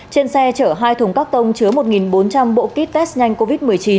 trên xe chở hai thùng các tông chứa một bốn trăm linh bộ kit test nhanh covid một mươi chín